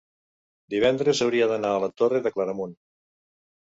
divendres hauria d'anar a la Torre de Claramunt.